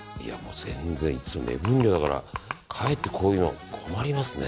全然、いつも目分量だからかえってこういうの困りますね。